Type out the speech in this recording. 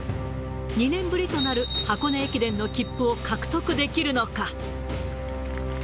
２年ぶりとなる箱根駅伝の切符を獲得できるのか。